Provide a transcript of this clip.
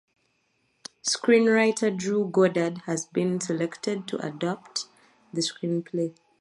Screenwriter Drew Goddard has been selected to adapt the screenplay.